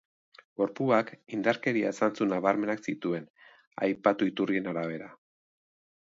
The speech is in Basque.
Gorpuak indarkeria zantzu nabarmenak zituen, aipatu iturrien arabera.